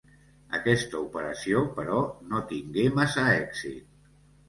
Aquesta operació, però, no tingué massa èxit.